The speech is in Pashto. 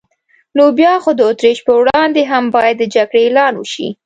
نو بیا خو د اتریش پر وړاندې هم باید د جګړې اعلان وشي.